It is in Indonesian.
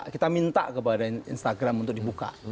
kita minta kepada instagram untuk dibuka